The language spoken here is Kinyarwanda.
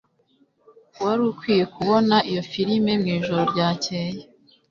Wari ukwiye kubona iyo firime mwijoro ryakeye.